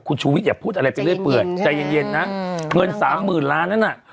คุณชูวิทอย่าพูดอะไรไปเรื่อยเปื่อยใจเย็นนะเงินสามหมื่นล้านนั้นน่ะ